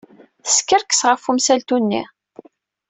Teskerkes ɣef wemsaltu-nni.